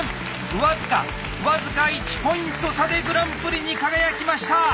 僅か僅か１ポイント差でグランプリに輝きました！